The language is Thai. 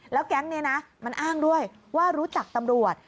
แล้วแก๊งนี้นะมันอ้างด้วยว่ารู้จักตำรวจ